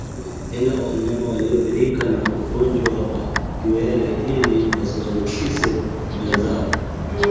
Tenga wanyama walioathirika na ugonjwa wa kiwele ili wasiwaambukize wenzao